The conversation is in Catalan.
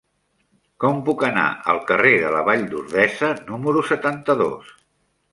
Com puc anar al carrer de la Vall d'Ordesa número setanta-dos?